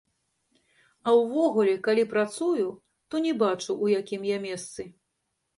А ўвогуле, калі працую, то не бачу, у якім я месцы.